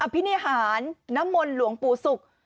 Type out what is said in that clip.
พินิหารน้ำมนต์หลวงปู่ศุกร์